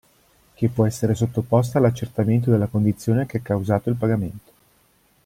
Che può essere sottoposta all'accertamento della condizione che ha causato il pagamento.